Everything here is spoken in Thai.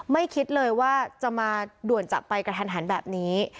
คิดเลยว่าจะมาด่วนจากไปกระทันหันแบบนี้